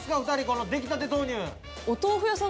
この出来たて豆乳。